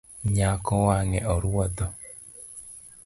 Nyako wang’e oruodho